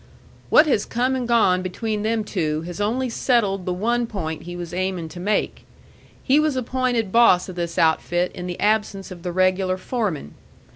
"What has come and gone between them two has only settled the one point he was aimin' to make. He was appointed boss of this outfit in the absence of the regular foreman.